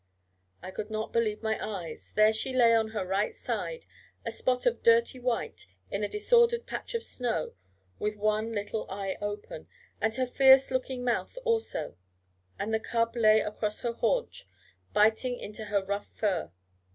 I could not believe my eyes. There she lay on her right side, a spot of dirty white in a disordered patch of snow, with one little eye open, and her fierce looking mouth also; and the cub lay across her haunch, biting into her rough fur.